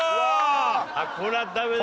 これはダメだ。